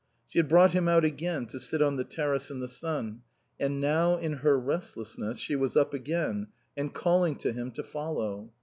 She had brought him out again to sit on the terrace in the sun; and now, in her restlessness, she was up again and calling to him to follow.